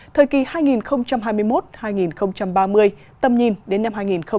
thời kỳ hai nghìn hai mươi một hai nghìn ba mươi tầm nhìn đến năm hai nghìn năm mươi